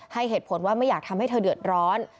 เหตุผลว่าไม่อยากทำให้เธอเดือดร้อน